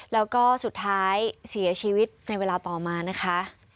แล้วก็สุดท้ายเสียชีวิตในเวลาต่อมานะคะ